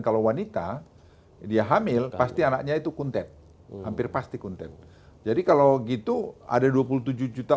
kalau wanita dia hamil pasti anaknya itu kuntet hampir pasti kuntet jadi kalau gitu ada dua puluh tujuh juta